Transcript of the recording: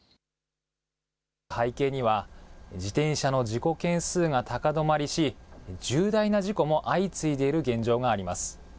背景には、自転車の事故件数が高止まりし、重大な事故も相次いでいる現状があります。